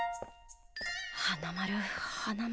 花丸花丸。